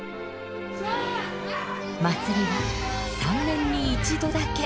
祭りは３年に一度だけ。